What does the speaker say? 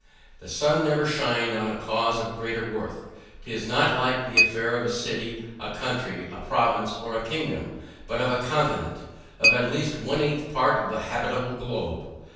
The sun never shined on a cause of greater worth. 'Tis not the affair of a city, a country, a province, or a kingdom, but of a continent of at least one eighth part of the habitable globe.